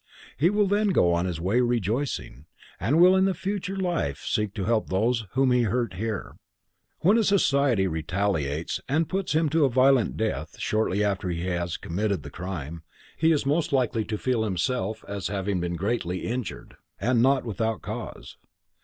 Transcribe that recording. He will then go on his way rejoicing, and will in the future life seek to help those whom he hurt here. When society retaliates and puts him to a violent death shortly after he has committed the crime, he is most likely to feel himself as having been greatly injured, and not without cause.